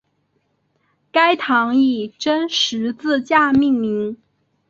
该堂以真十字架命名。